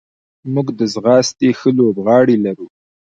موږ د ځغاستې ښه لوبغاړي لرو.